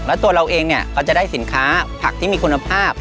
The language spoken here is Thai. แล้วตัวเราเองเนี่ยก็จะได้สินค้าผักที่มีคุณภาพ